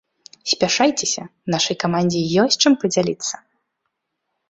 Спяшайцеся, нашай камандзе ёсць, чым падзяліцца!